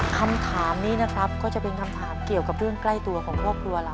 คำถามนี้นะครับก็จะเป็นคำถามเกี่ยวกับเรื่องใกล้ตัวของครอบครัวเรา